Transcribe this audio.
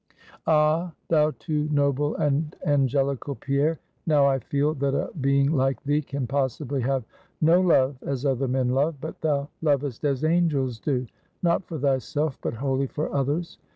"Ah! thou too noble and angelical Pierre, now I feel that a being like thee, can possibly have no love as other men love; but thou lovest as angels do; not for thyself, but wholly for others.